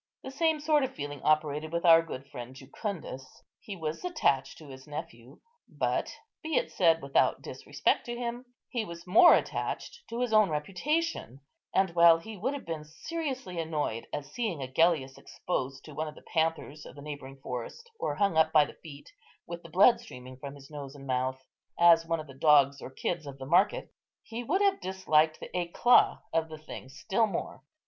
The same sort of feeling operated with our good friend Jucundus. He was attached to his nephew; but, be it said without disrespect to him, he was more attached to his own reputation; and, while he would have been seriously annoyed at seeing Agellius exposed to one of the panthers of the neighbouring forest, or hung up by the feet, with the blood streaming from his nose and mouth, as one of the dogs or kids of the market, he would have disliked the éclat of the thing still more.